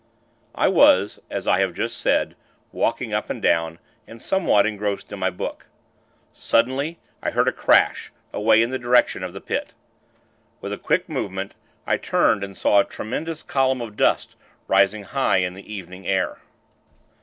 I was, as I have just said, walking up and down, and somewhat engrossed in my book. Suddenly, I heard a crash, away in the direction of the Pit. With a quick movement, I turned and saw a tremendous column of dust rising high into the evening air.